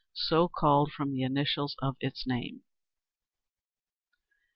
So called from the initials of its name.